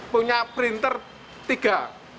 punya printer tiga